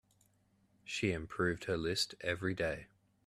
She improved her list every day.